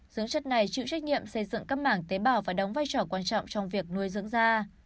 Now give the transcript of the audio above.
dưỡng chất này chịu trách nhiệm xây dựng các mảng tế bào và đóng vai trò quan trọng trong việc nuôi dưỡng da